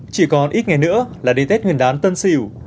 chỉ còn ít ngày nữa là đến tết nguyên đán tân sỉu